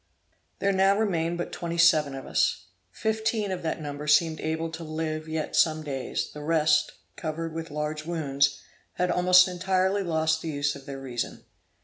There now remained but twenty seven of us. Fifteen of that number seemed able to live yet some days; the rest, covered with large wounds, had almost entirely lost the use of their reason.